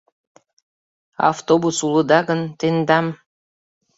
— Автобус улыда гын, тендам.